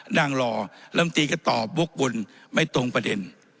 นั่งรอลำตีก็ตอบวกวนไม่ตรงประเด็น